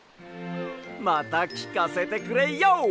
またきかせてくれＹＯ！